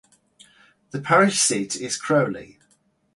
The parish seat is Crowley.